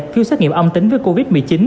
phiếu xét nghiệm âm tính với covid một mươi chín